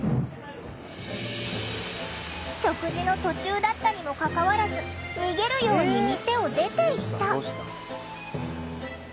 食事の途中だったにもかかわらず逃げるように店を出ていった。